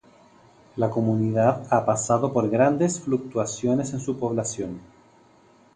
La comunidad ha pasado por grandes fluctuaciones en su población.